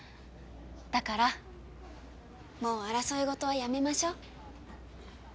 だからもう争い事はやめましょ。